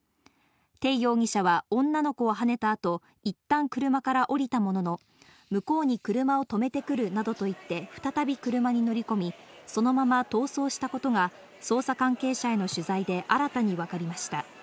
テイ容疑者は女の子をはねたあと、いったん車から降りたものの、向こうに車を止めてくるなどと言って再び車に乗り込み、そのまま逃走したことが、捜査関係者への取材で新たに分かりました。